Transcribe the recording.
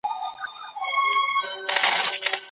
پخوانیو خلګو د سياست په اړه زيات فکر کاوه.